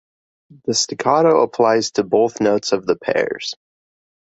The staccato applies to both notes of the pairs.